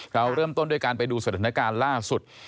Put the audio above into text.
เราเริ่มต้นด้วยการไปดูสถานการณ์ล่าสุด